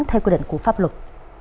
theo quy định của pháp luật